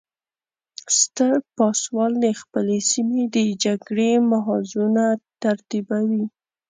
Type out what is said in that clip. ستر پاسوال د خپلې سیمې د جګړې محاذونه ترتیبوي.